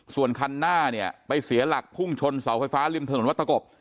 ส่วนคันหน้าเนี่ยไปเสียหลักพุ่งชนเสาไฟฟ้าริมถนนวัตตะกบ